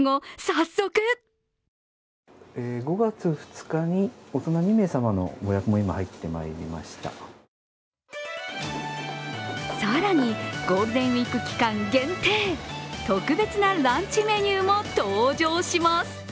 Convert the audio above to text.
早速更に、ゴールデンウイーク期間限定、特別なランチメニューも登場します。